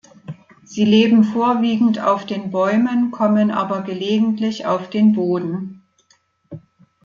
Sie leben vorwiegend auf den Bäumen, kommen aber gelegentlich auf den Boden.